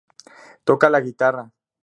Toca la guitarra.